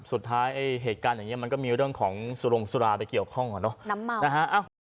เหตุการณ์อย่างนี้มันก็มีเรื่องของสุรงสุราไปเกี่ยวข้องอ่ะเนอะน้ำมันนะฮะ